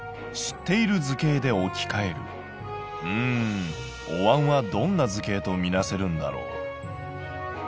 うんおわんはどんな図形とみなせるんだろう。